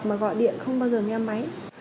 mà gọi điện không bao giờ nghe máy